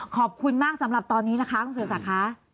ขอบคุณมากสำหรับตอนนี้นะคะคุณสุศักดิ์ค่ะ